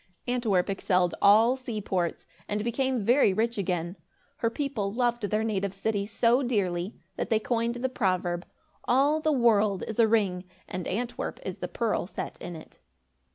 Antwerp excelled all seaports and became very rich again. Her people loved their native city so dearly, that they coined the proverb "All the world is a ring, and Antwerp is the pearl set in it."